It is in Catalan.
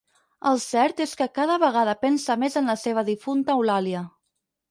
El cert és que cada vegada pensa més en la seva difunta Eulàlia.